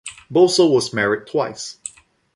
Boso was married twice.